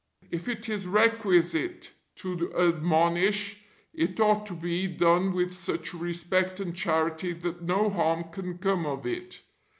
If it is requisite to admonish it ought to be done with such respect and charity that no harm can come of it.